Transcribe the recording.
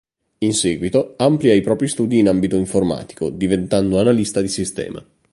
In seguito, amplia i propri studi in ambito informatico diventando analista di sistema.